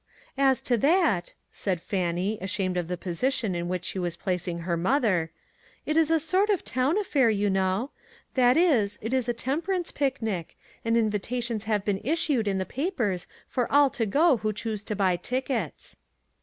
44 As to that," said Fannie, ashamed of the position in which she was placing her mother, " it is a sort of town affair, you. know ; that is, it is a temperance picnic, and invitations have been issued in the pa pers for all to go who choose to buy tick ets."